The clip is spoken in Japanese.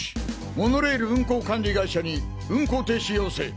モノレール運行管理会社に運行停止要請！